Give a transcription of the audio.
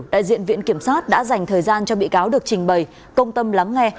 đại diện viện kiểm sát đã dành thời gian cho bị cáo được trình bày công tâm lắng nghe